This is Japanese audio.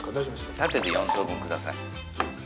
縦で４等分ください